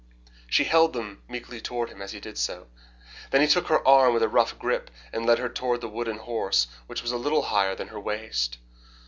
She held them meekly toward him as he did so. Then he took her arm with a rough grip and led her toward the wooden horse, which was little higher than her waist.